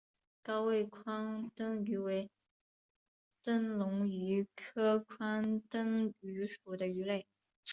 高位眶灯鱼为灯笼鱼科眶灯鱼属的鱼类。